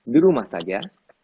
di rumah saja